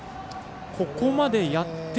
ここまでやって。